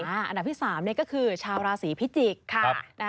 อันดับที่๓ก็คือชาวราศีพิจิกษ์